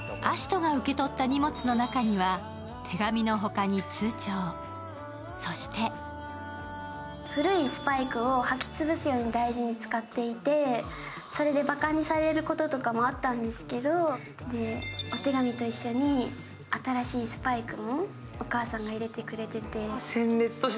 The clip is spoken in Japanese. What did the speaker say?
葦人が受け取った荷物の中には、手紙の他に通帳、そして古いスパイクを履き潰すように大事に使っていて、それでばかにされることとかもあったんですけど、お手紙と一緒に新しいスパイクもお母さんが入れてくれてて。